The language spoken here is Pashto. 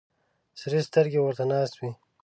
سرې سترګې ورته ناست وي.